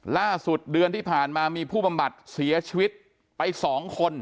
เดือนที่ผ่านมามีผู้บำบัดเสียชีวิตไป๒คน